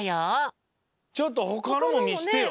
ちょっとほかのもみしてよ。